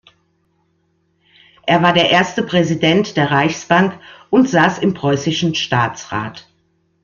Er war der erste Präsident der Reichsbank und saß im Preußischen Staatsrat.